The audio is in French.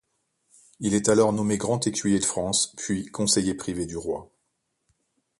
Il est alors nommé grand écuyer de France, puis conseiller privé du roi.